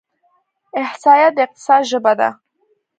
احصایه د اقتصاد ژبه ده.